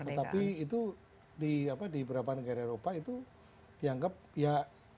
tetapi itu di beberapa negara eropa itu dianggap ya